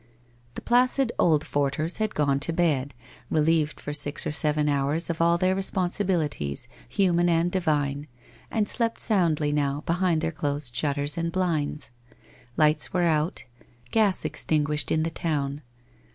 The placid Oldforters had gone to bed, relieved for six or seven hours of all their responsibilities, human and divine, and slept soundly now behind their closed shut ters and blinds. Lights were out, gas extinguished in the town.